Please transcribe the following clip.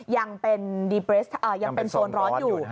ยังเป็นโซนร้อนอยู่